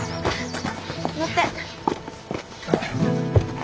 乗って。